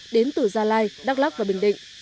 đến từ gia lai đắk lắc và bình định